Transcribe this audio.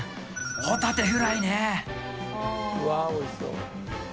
ホタテフライね。